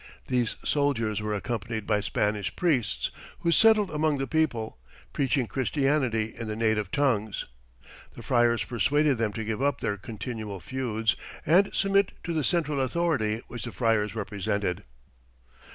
These soldiers were accompanied by Spanish priests, who settled among the people, preaching Christianity in the native tongues. The friars persuaded them to give up their continual feuds and submit to the central authority which the friars represented.